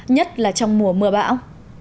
nhất là trong mùa mưa bão